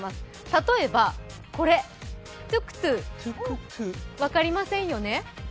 例えばこれ、トゥクトゥ、分かりませんよね。